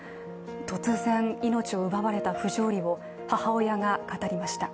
突然、命を奪われた不条理を母親が語りました。